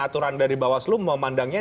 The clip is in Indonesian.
aturan dari mbak waslu memandangnya